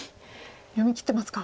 読みきってますか。